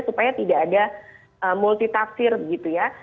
supaya tidak ada multi tafsir gitu ya